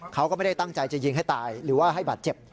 เขาก็ไม่ได้ตั้งใจจะยิงให้ตายหรือว่าให้บาดเจ็บ